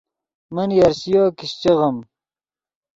من یرشِیو کیشچے غیم